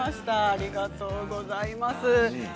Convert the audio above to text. ありがとうございます。